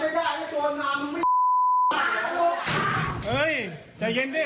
ทำงานเกินไป